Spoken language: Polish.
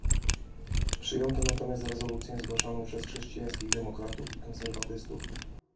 Przyjęto natomiast rezolucję zgłoszoną przez chrześcijańskich demokratów i konserwatystów